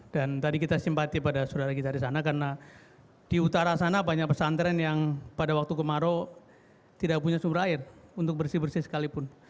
dan tadi kita simpati pada saudara kita di sana karena di utara sana banyak pesantren yang pada waktu kemarau tidak punya sumber air untuk bersih bersih sekalipun